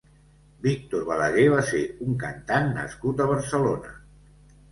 Víctor Balaguer va ser un сantant nascut a Barcelona.